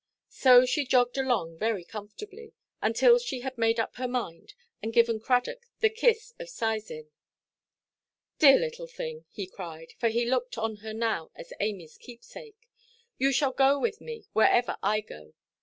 So she jogged along very comfortably, until she had made up her mind, and given Cradock the kiss of seisin. "Dear little thing," he cried, for he looked on her now as Amyʼs keepsake, "you shall go with me wherever I go.